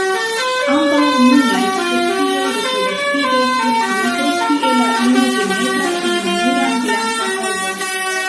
Ambaŭ nunaj specioj reproduktiĝas sur klifoj, kie la ino demetas ununuran blankan ovon.